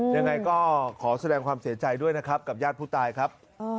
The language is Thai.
ยังไงก็ขอแสดงความเสียใจด้วยนะครับกับญาติผู้ตายครับ